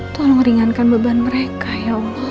tolong ringankan beban mereka ya allah